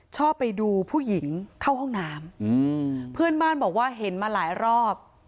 ชอบไปดูผู้หญิงเข้าห้องน้ำเพื่อนบ้านบอกว่าเห็นมาหลายรอบ